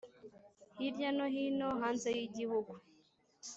hirya no hino hanze y'igihugu